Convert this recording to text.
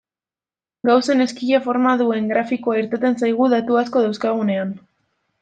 Gaussen ezkila forma duen grafikoa irteten zaigu datu asko dauzkagunean.